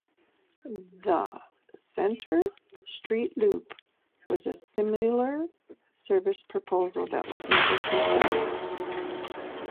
The Centre Street Loop was a similar service proposal that was never completed.